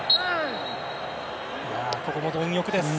ここも貪欲です。